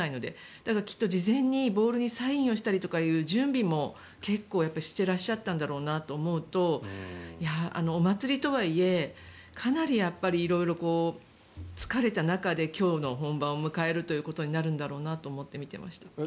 だから、きっと事前にボールにサインをしたりとかっていう準備も結構してらっしゃったんだろうなと思うとお祭りとはいえかなり色々、疲れた中で今日の本番を迎えることになるんだろうなと思って見ていました。